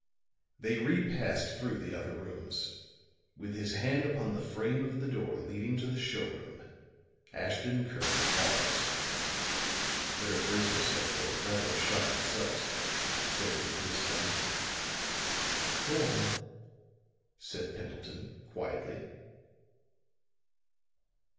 They repassed through the other rooms; with his hand upon the frame of the door leading to the show room, Ashton Kirk paused. "Better brace yourself for rather a shocking sight," said he to his friend. "Go on," said Pendleton, quietly.